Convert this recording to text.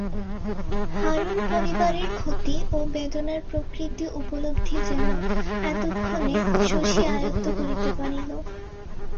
হারুর পরিবারের ক্ষতি ও বেদনার প্রকৃতি উপলব্ধি যেন এতক্ষণে শশী আয়ত্ত করিতে পারিল।